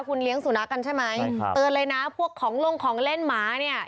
คุณเลี้ยงสูนักกันใช่ไหมต่อเลยนะพวกของเล่นหมานี่